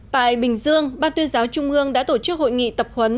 tại bình dương ban tuyên giáo trung ương đã tổ chức hội nghị tập huấn